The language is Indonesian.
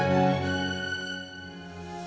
menurut saya siapa kayak tempted